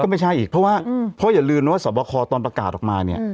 ก็ไม่ใช่อีกเพราะว่าอย่าลืมว่าสวทธิ์คอตอนประกาศออกมา